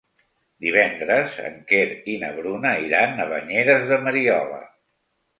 Divendres en Quer i na Bruna iran a Banyeres de Mariola.